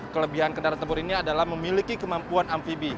kelebihan kendaraan tempur ini adalah memiliki kemampuan amfibi